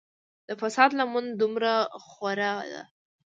د فساد لمن دومره خوره ده.